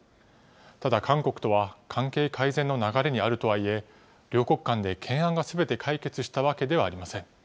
ただ韓国とは関係改善の流れにあるとはいえ、両国間で懸案がすべて解決したわけではありません。